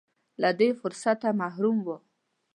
له دې فرصته محروم و.